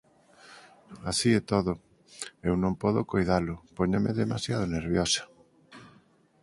Así e todo, eu non podo coidalo, póñome demasiado nerviosa.